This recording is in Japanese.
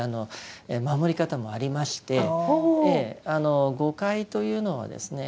守り方もありまして五戒というのはですね